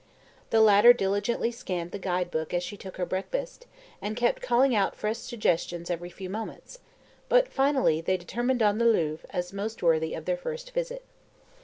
The latter diligently scanned the guide book as she took her breakfast, and kept calling out fresh suggestions every few moments; but, finally, they determined on the Louvre as most worthy of their first visit.